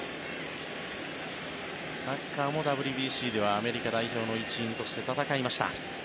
タッカーもＷＢＣではアメリカ代表の一員として戦いました。